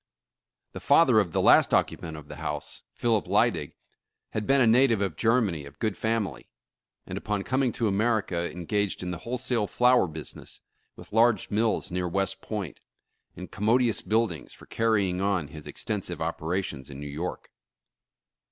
The father of the last occupant of the house, Philip Lydig, had been a native of Germany of good family, and upon coming to America engaged in the wholesale flour business, with large mills near West Point, and commodious buildings for carrying on his extensive op erations in New York.